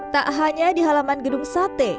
tak hanya di halaman gedung sate